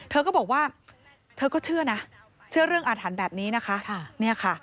เธอก็บอกว่าเธอก็เชื่อนะเชื่อเรื่องอาถรรพ์แบบนี้นะคะ